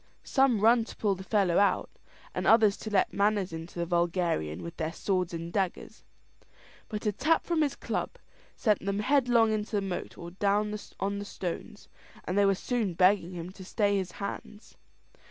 Some run to pull the fellow out, and others to let manners into the vulgarian with their swords and daggers; but a tap from his club sent them headlong into the moat or down on the stones, and they were soon begging him to stay his hands.